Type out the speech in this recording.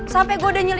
sampai gue udah nyelamat